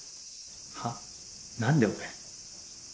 は？何で俺？